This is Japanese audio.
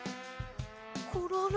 コロロ。